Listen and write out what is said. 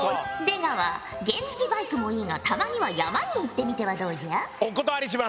出川原付きバイクもいいがたまには山に行ってみてはどうじゃ？